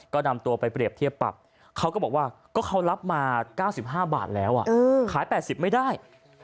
ก็นำตัวไปเปรียบเทียบปรับเขาก็บอกว่าก็เขารับมา๙๕บาทแล้วขาย๘๐ไม่ได้